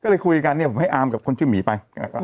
ก็เลยคุยกันเนี่ยผมให้อามกับคนชื่อหมีไป